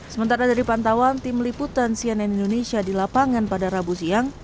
sementara dari pantauan tim liputan cnn indonesia di lapangan pada rabu siang